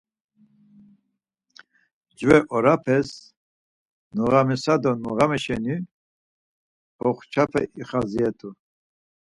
Mcve orapes noğamisa do noğame şeni boxçape ixaziret̆u.